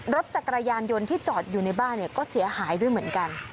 รถจักรยานยนต์ที่จอดอยู่ในบ้านก็เสียหายด้วยเหมือนกัน